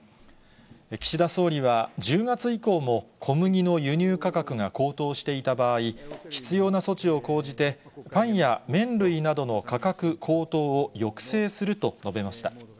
岸田総理は、１０月以降も、小麦の輸入価格が高騰していた場合、必要な措置を講じて、パンや麺類などの価格高騰を抑制すると述べました。